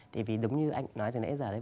thì vì đúng như anh nói từ nãy giờ